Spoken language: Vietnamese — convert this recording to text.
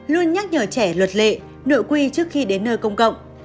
luôn nhắc nhở trẻ luật lệ nội quy trước khi đến nơi công cộng